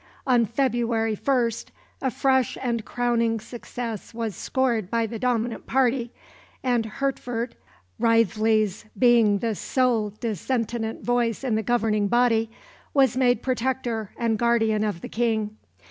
On February 1 a fresh and crowning success was scored by the dominant party, and Hertford Wriothesley's being the sole dissentient voice in the governing body was made Protector and guardian of the King.